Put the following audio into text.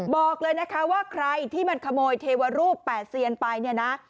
บอกเลยนะคะว่าใครที่มันขโมยเทวรูป๘เซียนไปเนี่ยนะ